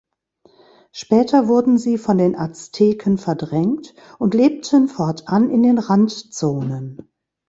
Später wurden sie von den Azteken verdrängt und lebten fortan in den Randzonen.